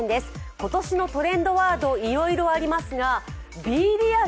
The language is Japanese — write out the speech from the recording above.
今年のトレンドワードいろいろありますが、ＢｅＲｅａｌ．